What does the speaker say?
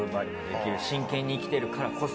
真剣に生きてるからこそ。